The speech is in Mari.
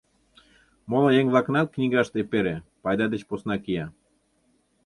Моло еҥ-влакынат книгашт эпере, пайда деч посна кия.